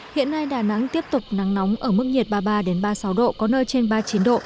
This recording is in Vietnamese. hiện nay đà nẵng tiếp tục nắng nóng ở mức nhiệt ba mươi ba ba mươi sáu độ có nơi trên ba mươi chín độ